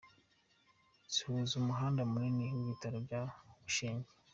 Zihuza umuhanda munini n’ibitaro bya Bushenge!